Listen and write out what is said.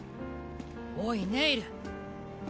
おいネイル！